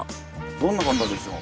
どんな方でしょう？